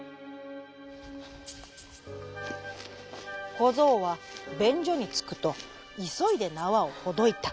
こぞうはべんじょにつくといそいでなわをほどいた。